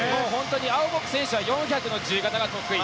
アウボック選手は４００の自由形が得意。